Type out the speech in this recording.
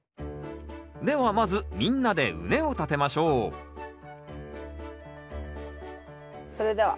ではまずみんなで畝を立てましょうそれでは。